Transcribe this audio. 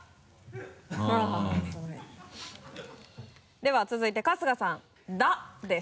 では続いて春日さん「だ」です。